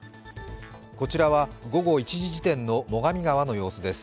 こちらは午後１時時点の最上川の様子です。